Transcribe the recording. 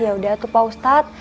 ya udah tuh pak ustadz